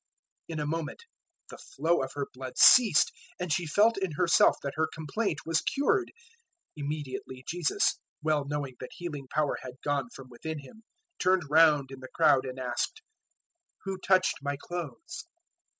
005:029 In a moment the flow of her blood ceased, and she felt in herself that her complaint was cured. 005:030 Immediately Jesus, well knowing that healing power had gone from within Him, turned round in the crowd and asked, "Who touched my clothes?"